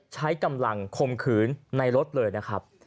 ใช้กำลังคมขืนในรถเลยนะครับ